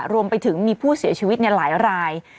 รวมไปถึงมีผู้เสียชีวิตหลายราย